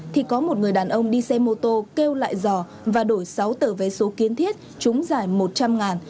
thì có một người đàn ông đi xe mô tô kêu lại dò và đổi sáu tờ vé số kiến thiết chúng giải một trăm linh ngàn